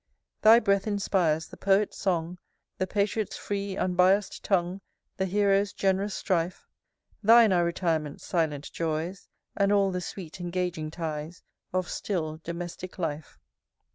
XIII. Thy breath inspires the Poet's song The Patriot's free, unbiass'd tongue, The Hero's gen'rous strife; Thine are retirement's silent joys, And all the sweet engaging ties Of still, domestic life.